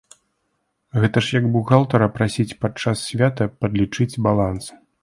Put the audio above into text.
Гэта ж як бухгалтара прасіць падчас свята падлічыць баланс.